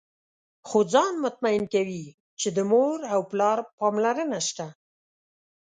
خو ځان مطمئن کوي چې د مور او پلار پاملرنه شته.